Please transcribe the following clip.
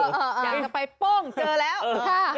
อยากจะไปโป้งเจอแล้วค่ะ